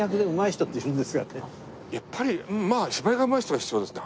やっぱり芝居がうまい人が必要ですね